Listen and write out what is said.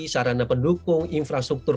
sarana pendukung infrastruktur